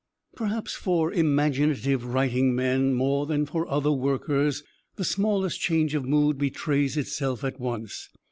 Perhaps for imaginative writing men, more than for other workers, the smallest change of mood betrays itself at once.